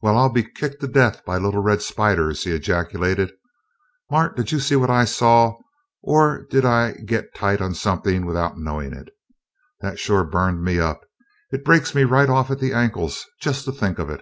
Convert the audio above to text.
"Well, I'll be kicked to death by little red spiders!" he ejaculated. "Mart, did you see what I saw, or did I get tight on something without knowing it? That sure burned me up it breaks me right off at the ankles, just to think of it!"